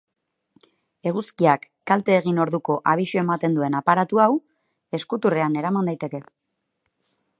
Eguzkiak kalte egin orduko abisu ematen duen aparatu hau eskuturrean eraman daiteke.